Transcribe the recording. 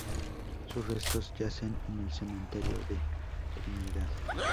Sus restos yacen en el Cementerio de Trinidad.